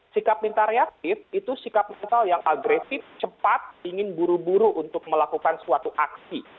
sikap minta reaktif itu sikap mental yang agresif cepat ingin buru buru untuk melakukan suatu aksi